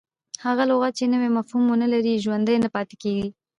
هغه لغت، چي نوی مفهوم و نه لري، ژوندی نه پاته کیږي.